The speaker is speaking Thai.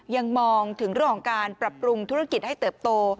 ยังมองถึงเรื่องของการปรับปรุงธุรกิจให้เติบโต